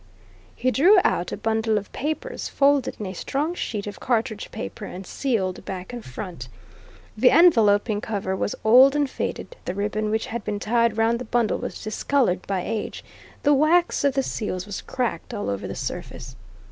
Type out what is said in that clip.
He drew out a bundle of papers, folded in a strong sheet of cartridge paper and sealed back and front. The enveloping cover was old and faded; the ribbon which had been tied round the bundle was discoloured by age; the wax of the seals was cracked all over the surface.